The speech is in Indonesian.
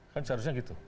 kan seharusnya gitu